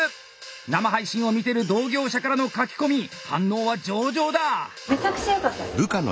生配信を見てる同業者からの書き込み反応は上々だ！